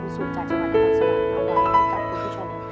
เพื่อให้ที่บัญชีของครอบครัวคุณสูง